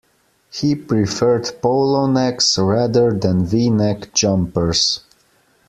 He preferred polo necks rather than V-neck jumpers